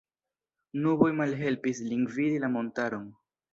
Nuboj malhelpis lin vidi la montaron.